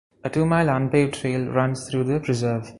A two-mile unpaved trail runs through the preserve.